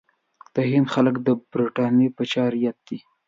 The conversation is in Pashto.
د هند خلک د برټانیې پاچا رعیت دي.